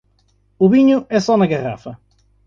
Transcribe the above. O vinho é o sol na garrafa.